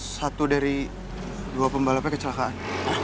satu dari dua pembalapnya kecelakaan